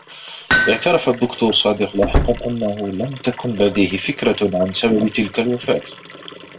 اعترف الدّكتور صادق لاحقا أنّه لم تكن لديه فكرة عن سبب تلك الوفاة.